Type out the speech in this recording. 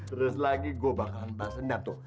terus lagi gue bakalan tak senang tuh